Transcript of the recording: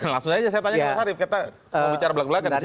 langsung saja saya tanya ke pak sarif kita bicara belakang belakan disini